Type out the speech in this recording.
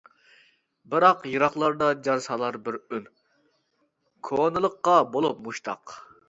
بىراق يىراقلاردا جار سالار بىر ئۈن كونىلىققا بولۇپ مۇشتاق.